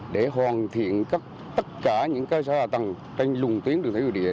để hoàn thiện tất cả những sở hạ tầng trên lùng tuyến đường thủy nội địa